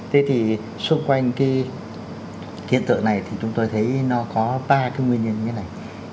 thế thì xung quanh cái hiện tượng này thì chúng tôi thấy nó có ba cái nguyên nhân như thế này